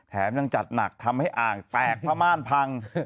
ยังจัดหนักทำให้อ่างแตกผ้าม่านพัง